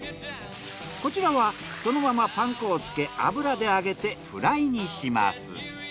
こちらはそのままパン粉をつけ油で揚げてフライにします。